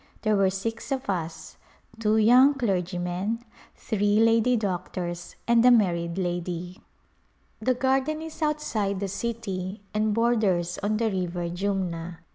There were six of us ; two young clergymen, three lady doctors and a married lady. The garden is outside A Pilgrimage the city and borders on the river Jumna.